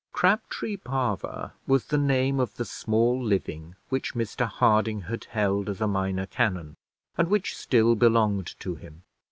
Crabtree Parva was the name of the small living which Mr Harding had held as a minor canon, and which still belonged to him.